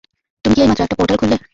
তুমি কি এইমাত্র একটা পোর্টাল খুললে?